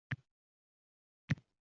u kishi yig‘ladilar.